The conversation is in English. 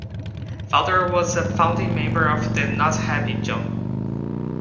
Valder was a founding member of the 'Not happy, John!